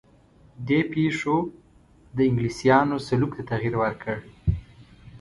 دې پېښو د انګلیسیانو سلوک ته تغییر ورکړ.